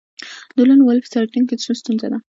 د لون وولف ساینتیک کې څه ستونزه ده